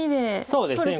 そうですね